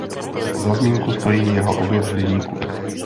Za zmínku stojí jeho objev hliníku.